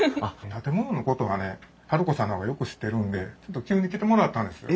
建物のことはね治子さんの方がよく知ってるんでちょっと急に来てもらったんですよ。